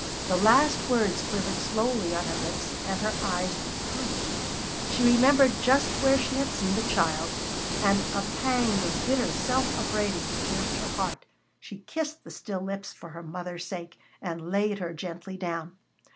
The last words quivered slowly on her lips and her eyes drooped. She remembered just where she had seen the child, and a pang of bitter self upbraiding pierced her heart. She kissed the still lips for her mother's sake, and laid her gently down.